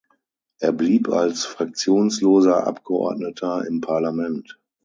Er blieb als fraktionsloser Abgeordneter im Parlament.